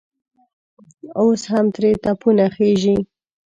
اوس هم ترې تپونه خېژي.